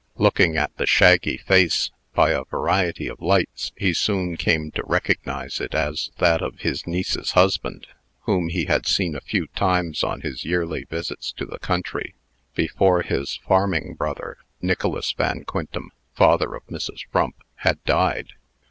Looking at the shaggy face by a variety of lights, he soon came to recognize it as that of his niece's husband, whom he had seen a few times on his yearly visits to the country, before his farming brother, Nicholas Van Quintem, father of Mrs. Frump, had died.